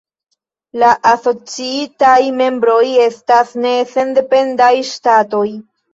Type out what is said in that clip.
La asociitaj membroj estas ne sendependaj ŝtatoj.